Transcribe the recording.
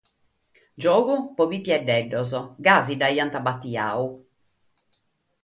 Giogu pro pitzinneddos, gasi lu batijeint.